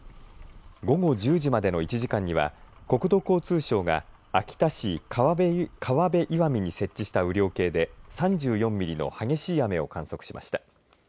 午後１０時までの１時間には国土交通省が秋田市河辺岩見に設置した雨量計で３４ミリの激しい雨を観測しました。